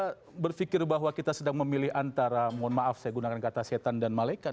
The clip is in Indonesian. kita berpikir bahwa kita sedang memilih antara mohon maaf saya gunakan kata setan dan malaikat